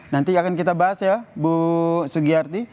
nanti akan kita bahas ya bu sugiyarti